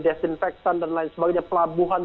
desinfektan dan lain sebagainya pelabuhan